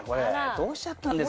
どうしちゃったんですか？